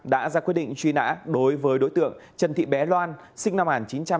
đã ra quyết định truy nã đối với đối tượng trần thị bé loan sinh năm một nghìn chín trăm tám mươi